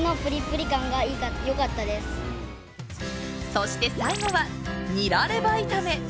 そして最後は、ニラレバ炒め！